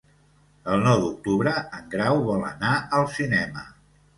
El nou d'octubre en Grau vol anar al cinema.